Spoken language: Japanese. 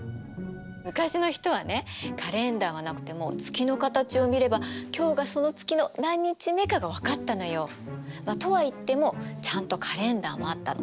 昔の人はねカレンダーがなくても月の形を見れば今日がその月の何日目かが分かったのよ。とは言ってもちゃんとカレンダーもあったの。